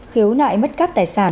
khiếu nại mất các tài sản